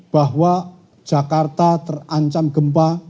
bahwa jakarta terancam gempa